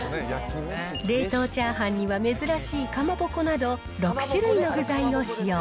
冷凍チャーハンには珍しいかまぼこなど６種類の具材を使用。